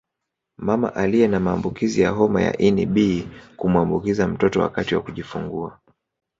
Mama aliye na maambukizi ya homa ya ini B kumuambukiza mtoto wakati wa kujifungua